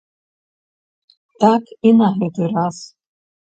Так і на гэты раз.